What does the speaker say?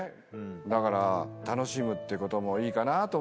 だから楽しむってこともいいかなと思って。